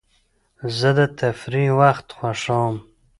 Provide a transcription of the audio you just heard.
زه د تفریح وخت خوښوم.